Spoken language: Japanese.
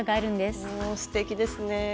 すてきですね。